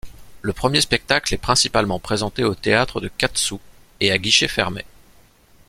Le premier spectacle est principalement présenté au théâtre de Quat'sous et à guichets fermés.